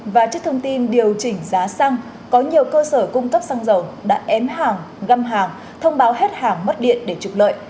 và trước thông tin điều chỉnh giá xăng có nhiều cơ sở cung cấp xăng dầu đã ém hàng găm hàng thông báo hết hàng mất điện để trục lợi